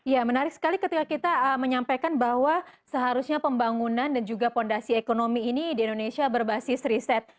ya menarik sekali ketika kita menyampaikan bahwa seharusnya pembangunan dan juga fondasi ekonomi ini di indonesia berbasis riset